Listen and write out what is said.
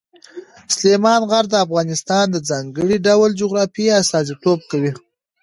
سلیمان غر د افغانستان د ځانګړي ډول جغرافیې استازیتوب کوي.